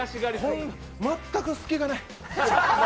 全く隙がない。